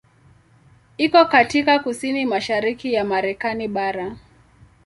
Iko katika kusini mashariki ya Marekani bara.